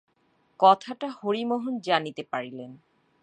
কথাটা হরিমোহন জানিতে পারিলেন।